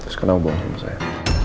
terus kenapa kamu bawa sama saya